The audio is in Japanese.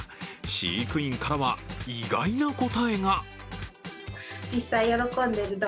飼育員からは意外な答えが。